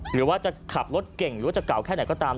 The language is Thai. หรือว่าจะขับรถเก่งหรือว่าจะเก่าแค่ไหนก็ตาม